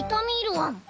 ワン。